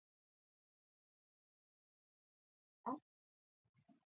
د تصدیو د تولیداتو د نوښت ملاتړ د اقتصادي ودې سبب ګرځي.